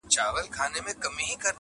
ما یې لمن کي اولسونه غوښتل٫